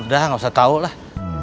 nah udah gak usah tau lah